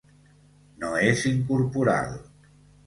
No és incorporal.